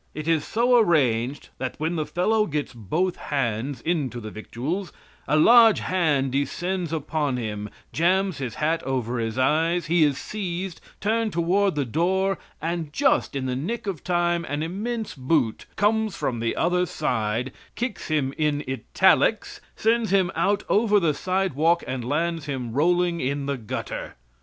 It is so arranged that when the fellow gets both hands into the victuals, a large hand descends upon him, jams his hat over his eyes he is seized, turned toward the door, and just in the nick of time an immense boot comes from the other side, kicks him in italics, sends him out over the sidewalk and lands him rolling in the gutter.